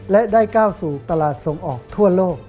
และได้ก้าวสู่ตลาดส่งออกทั่วโลก